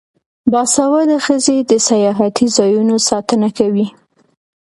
باسواده ښځې د سیاحتي ځایونو ساتنه کوي.